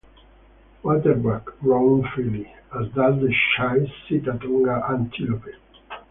Waterbuck roam freely, as does the shy sitatunga antelope.